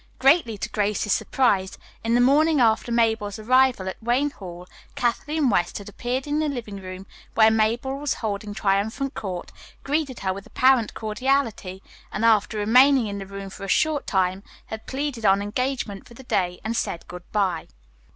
Greatly to Grace's surprise, in the morning after Mabel's arrival at Wayne Hall Kathleen West had appeared in the living room where Mabel was holding triumphant court, greeted her with apparent cordiality, and after remaining in the room for a short time had pleaded an engagement for the day, and said good bye.